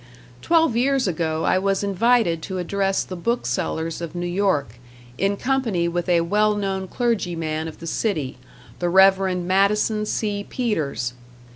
Twelve years ago I was invited to address the book sellers of New York, in company with a well known clergyman of the city, the Reverend Madison C. Peters.